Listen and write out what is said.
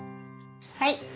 はい。